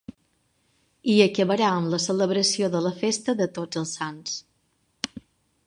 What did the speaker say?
I acabarà amb la celebració de la festa de Tots els Sants.